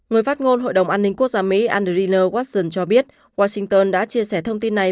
người phát ngôn hội đồng an ninh quốc gia mỹ andreiler westion cho biết washington đã chia sẻ thông tin này